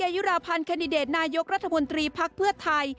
ยุราพันธ์แคนดิเดตนายกรัฐมนตรีภักดิ์เพื่อไทย